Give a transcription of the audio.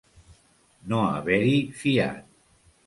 No haver-hi fiat.